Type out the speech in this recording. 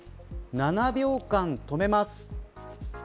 ７秒間、止めます。